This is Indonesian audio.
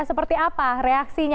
seperti apa reaksinya